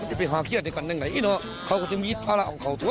จะไปหาเครียดดีกว่านึงไงไอ้หนอเขาก็จะมีภาระออกเขาตัว